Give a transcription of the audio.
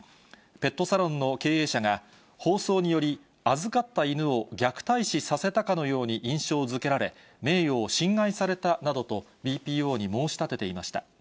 ペットサロンの経営者が、放送により預かった犬を虐待死させたかのように印象づけられ、名誉を侵害されたなどと、ＢＰＯに申し立てていました。